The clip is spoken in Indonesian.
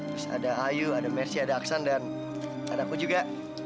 terus ada ayu ada mercy ada aksan dan adaku juga